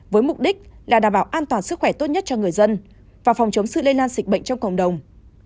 với mục đích là đảm bảo an toàn sức khỏe tốt nhất cho người dân và phòng chống sự lây lan dịch bệnh trong cộng đồng